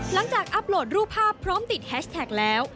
หลังจากอัปโหลดรูปภาพพร้อมติดแฮชแท็กแล้ว